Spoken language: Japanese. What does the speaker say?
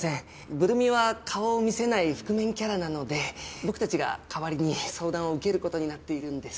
ブル美は顔を見せない覆面キャラなので僕たちが代わりに相談を受けることになっているんです。